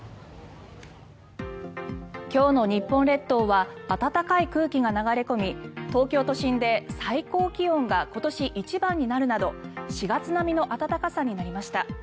今日の日本列島は暖かい空気が流れ込み東京都心で最高気温が今年一番になるなど４月並みの暖かさになりました。